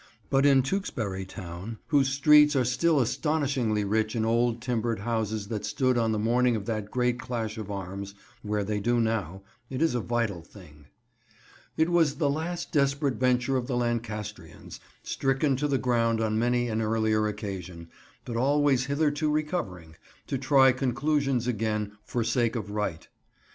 But in Tewkesbury town, whose streets are still astonishingly rich in old timbered houses that stood on the morning of that great clash of arms where they do now, it is a vital thing. It was the last desperate venture of the Lancastrians, stricken to the ground on many an earlier occasion, but always hitherto recovering, to try conclusions again, for sake of right.